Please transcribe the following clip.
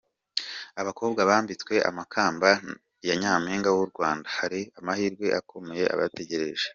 Abakobwa bambitswe amakamba ya Nyampinga w’u Rwanda, hari amahirwe akomeye abategereje.